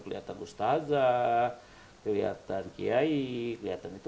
kelihatan ustazah kelihatan kiai kelihatan itu